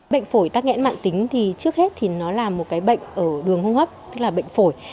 bệnh phổi tắc nghẽn mạng tính thì trước hết thì nó là một cái bệnh ở đường hô hấp tức là bệnh phổi